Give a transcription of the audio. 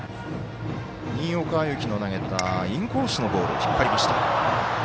新岡歩輝の投げた、インコースのボールを引っ張りました。